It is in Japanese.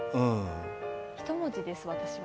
一文字です、私は。